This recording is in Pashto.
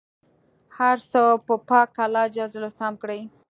هر څه به پاک الله جل جلاله سم کړي.